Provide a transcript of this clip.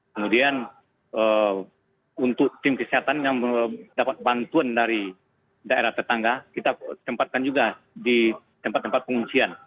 kemudian untuk tim kesehatan yang mendapat bantuan dari daerah tetangga kita tempatkan juga di tempat tempat pengungsian